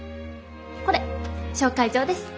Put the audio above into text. これ紹介状です。